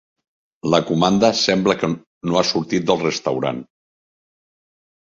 La comanda sembla que no ha sortit del restaurant.